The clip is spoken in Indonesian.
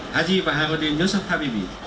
haji baharudin yusuf habibi